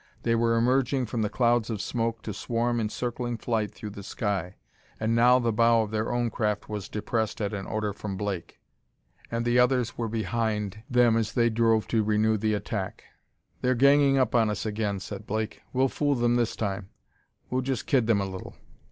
They were emerging from the clouds of smoke to swarm in circling flight through the sky. And now the bow of their own craft was depressed at an order from Blake, and the others were behind them as they drove to renew the attack. "They're ganging up on us again," said Blake. "We'll fool them this time; we'll just kid them a little."